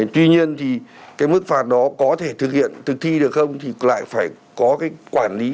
tuy nhiên thì cái mức phạt đó có thể thực hiện thực thi được không thì lại phải có cái quản lý